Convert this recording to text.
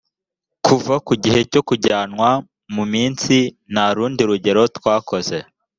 kuva ku gihe cyo kujyanwa mu misi ntarundi rugendo twakoze.